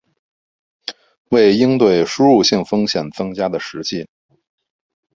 为应对输入性风险增加的实际